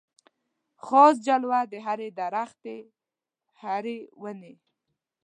خاص جلوه د هري درختي هري وني